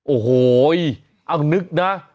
โอ้โฮนึกนะ